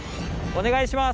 「お願いします」？